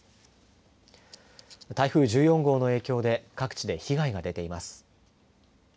台風１４号の影響で各地で被害が出ています。